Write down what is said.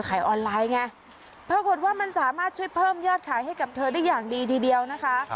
ขายออนไลน์ไงปรากฏว่ามันสามารถช่วยเพิ่มยอดขายให้กับเธอได้อย่างดีทีเดียวนะคะ